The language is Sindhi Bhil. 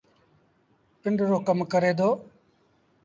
پنڊرو ڪم ڪري دو۔